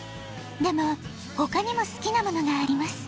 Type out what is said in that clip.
でもほかにも好きなものがあります。